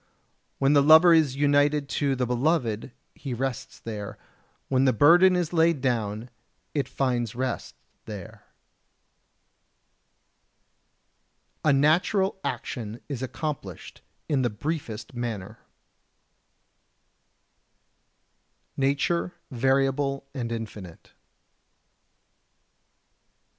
When the lover is united to the beloved he rests there; when the burden is laid down it finds rest there. 58. A natural action is accomplished in the briefest manner. [Sidenote: Nature Variable and Infinite.